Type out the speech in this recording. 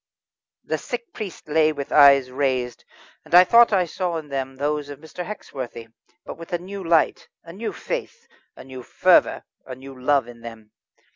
The sick priest lay with eyes raised, and I thought I saw in them those of Mr. Hexworthy, but with a new light, a new faith, a new fervour, a new love in them.